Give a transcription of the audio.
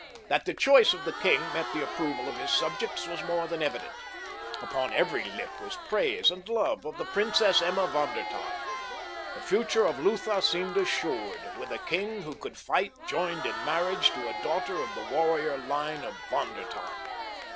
That the choice of the king met the approval of his subjects was more than evident. Upon every lip was praise and love of the Princess Emma von der Tann. The future of Lutha seemed assured with a king who could fight joined in marriage to a daughter of the warrior line of Von der Tann.